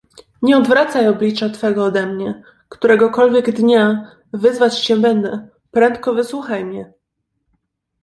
Nie odwracaj oblicza Twego odemnie: któregokolwiek dnia wzywać Cię będę, prędko wysłuchaj mię.